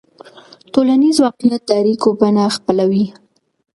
ټولنیز واقعیت د اړیکو بڼه خپلوي.